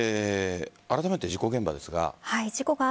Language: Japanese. あらためて事故現場ですが。